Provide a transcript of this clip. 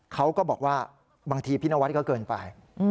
เขาก็บอกว่าบางทีพี่นวัดก็เกินไป